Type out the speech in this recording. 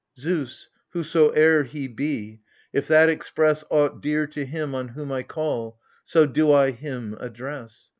Zeus, whosoe'er he be, — if that express Aught dear to him on whom I call — So do I him address.